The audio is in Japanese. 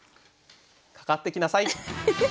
「かかって来なさい！」。